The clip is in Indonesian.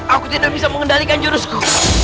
aku tidak bisa mengendalikan jurusku